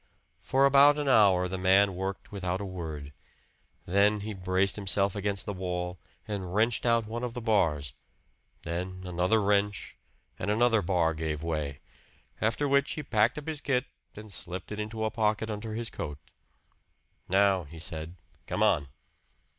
For about an hour the man worked without a word. Then he braced himself against the wall and wrenched out one of the bars; then another wrench, and another bar gave way; after which he packed up his kit and slipped it into a pocket under his coat. "Now," he said, "come on."